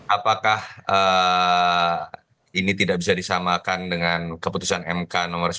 apakah ini tidak bisa disamakan dengan keputusan mk nomor satu